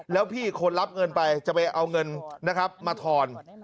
แล้วพี่คนรับเงินไปจะไปเอาเงินนะครับมาทอน